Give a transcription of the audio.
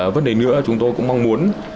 vấn đề nữa chúng tôi cũng mong muốn